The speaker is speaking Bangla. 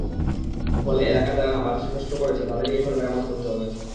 ফলে এলাকার যারা বাঁধটি নষ্ট করেছে, তাদেরই এখন মেরামত করতে হবে।